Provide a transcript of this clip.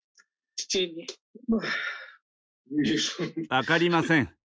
分かりません。